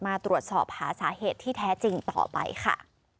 มาตรวจสอบหาสาเหตุที่แท้จริงต่อไปค่ะ